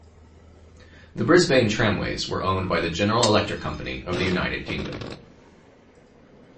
The Brisbane tramways were owned by the General Electric Company of the United Kingdom.